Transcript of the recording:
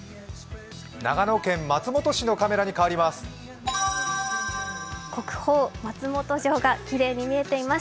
長野県松本市のカメラに変わります。